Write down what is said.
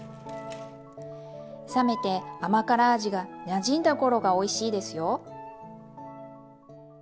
冷めて甘辛味がなじんだ頃がおいしいですよ。